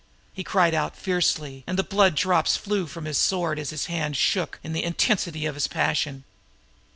He cried out fiercely and the blood drops flew from his sword as his hand shook in the intensity of his passion.